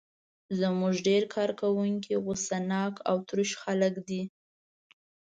زموږ ډېر کارکوونکي غوسه ناک او تروش خلک دي.